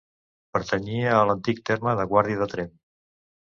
Pertanyia a l'antic terme de Guàrdia de Tremp.